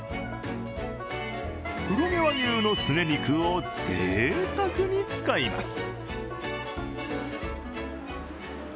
黒毛和牛のすね肉を、ぜいたくに使います。